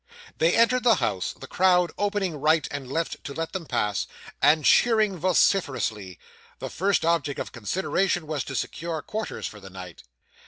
They entered the house, the crowd opening right and left to let them pass, and cheering vociferously. The first object of consideration was to secure quarters for the night.